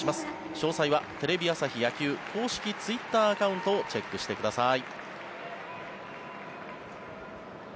詳細はテレビ朝日野球公式ツイッターアカウントをチェックしてください。